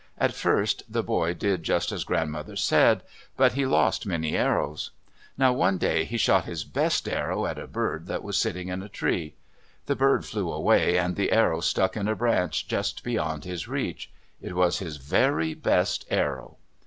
At first the boy did just as Grandmother said; but he lost many arrows. Now one day he shot his best arrow at a bird that was sitting in a tree. The bird flew away and the arrow stuck in a branch just beyond his reach. It was his very best arrow.